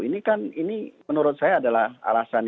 ini kan ini menurut saya adalah alasan